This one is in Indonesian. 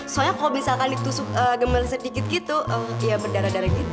soalnya kalau misalkan itu gemel sedikit gitu ya berdarah darah gitu